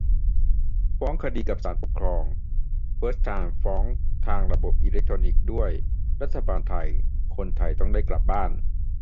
ฟ้องคดีกับศาลปกครอง เฟิร์สไทม์ ฟ้องทางระบบอิเล็กทรอนิกส์ด้วย - «รัฐบาลไทย : คนไทยต้องได้กลับบ้าน